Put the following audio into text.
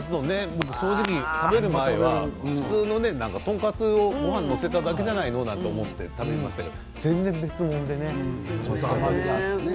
僕、正直食べる前は普通のトンカツをごはんに載せただけなんじゃないと思っていましたが全然違うんですね。